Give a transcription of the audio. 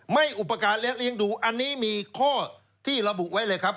อุปการณ์และเลี้ยงดูอันนี้มีข้อที่ระบุไว้เลยครับ